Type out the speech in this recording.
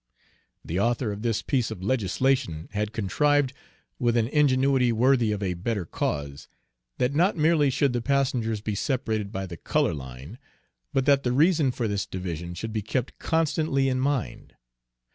The author of this piece of legislation had contrived, with an ingenuity worthy of a better cause, that not merely should the passengers be separated by the color line, but that the reason for this division should be kept constantly in mind.